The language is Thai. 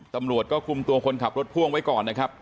ตำรวจก็คุมตัวคนขับรถพ่วงไว้ก่อนนะครับ